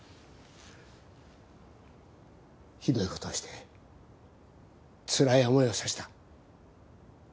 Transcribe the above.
ひどい事をしてつらい思いをさせた。